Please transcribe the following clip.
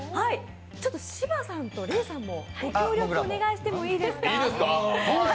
芝さんとレイさんもご協力お願いしていいですか？